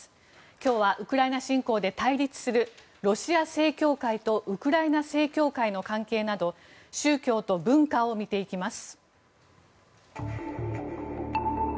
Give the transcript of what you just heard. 今日はウクライナ侵攻で対立するロシア正教会とウクライナ正教会の関係など宗教と文化を見ていきます。